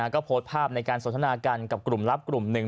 ก็โพสต์ภาพในการสนทนากันกับกลุ่มลับกลุ่มหนึ่ง